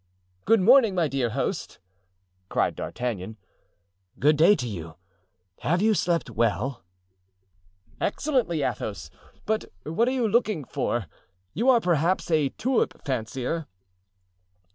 "Good morning, my dear host," cried D'Artagnan. "Good day to you; have you slept well?" "Excellently, Athos, but what are you looking for? You are perhaps a tulip fancier?"